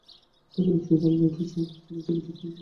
কিন্তু Jared Leto চমকে দিয়ে জানালেন, ছবিটা এখনো দেখাই হয়নি তাঁর।